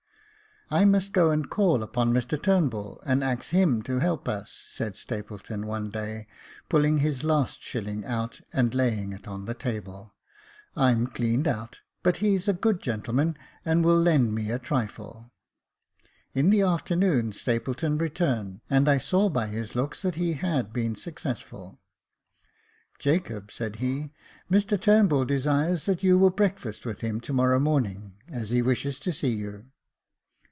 2i6 Jacob Faithful "I must go and call upon Mr Turnbull, and ax him to help us," said Stapleton, one day, puUing his last shilling out and laying it on the table. I'm cleaned out ; but he's a good gentleman, and will lend me a trifle." In the afternoon Stapleton returned, and I saw by his looks that he had been successful. " Jacob," said he, " Mr Turnbull desires that you will breakfast with him to morrow morning, as he wishes to see you."